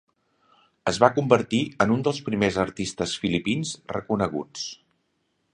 Es va convertir en un dels primers artistes filipins reconeguts.